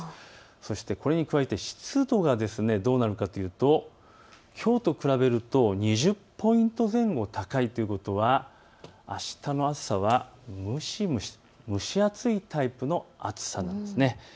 そして、これに加えて湿度がどうなのかというときょうと比べると２０ポイント前後高いということはあしたの朝は蒸し蒸しと蒸し暑いタイプの暑さなんです。